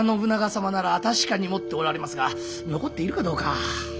様なら確かに持っておられますが残っているかどうか。